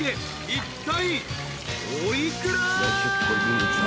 いったいお幾ら？］